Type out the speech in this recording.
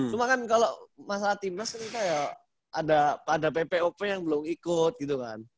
cuma kan kalau masa timnya sendiri kayak ada ppop yang belum ikut gitu kan